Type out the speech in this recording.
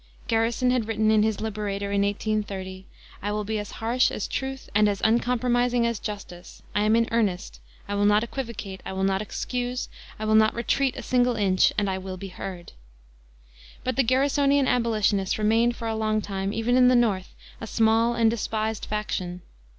Garrison had written in his Liberator, in 1830, "I will be as harsh as truth and as uncompromising as justice. I am in earnest; I will not equivocate; I will not excuse; I will not retreat a single inch; and I will be heard." But the Garrisonian abolitionists remained for a long time, even in the North, a small and despised faction.